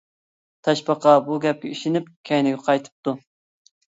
تاشپاقا بۇ گەپكە ئىشىنىپ كەينىگە قايتىپتۇ.